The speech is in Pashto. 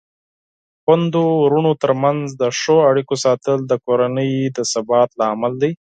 د خویندو ورونو ترمنځ د ښو اړیکو ساتل د کورنۍ د ثبات لامل دی.